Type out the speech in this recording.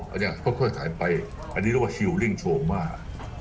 อันนี้ค่อยหายไปอันนี้เรียกว่าชิลลิ่งโชว์มาก